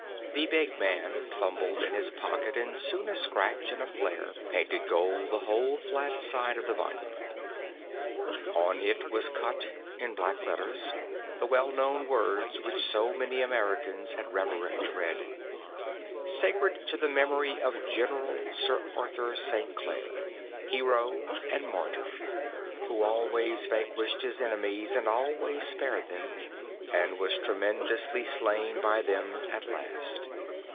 The big man fumbled in his pocket, and soon a scratch and a flare painted gold the whole flat side of the monument. On it was cut in black letters the well known words which so many Americans had reverently read: "Sacred to the Memory of General Sir Arthur St. Clare, Hero and Martyr, who Always Vanquished his Enemies and Always Spared Them, and Was Treacherously Slain by Them At Last.